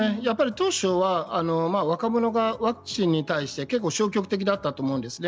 当初は若者がワクチンに対して結構消極的だったと思うんですね。